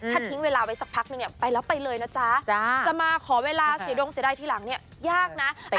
ถ้าทิ้งเวลาไว้สักพักนึงเนี่ยไปแล้วไปเลยนะจ๊ะจะมาขอเวลาเสียดงเสียดายทีหลังเนี่ยยากนะ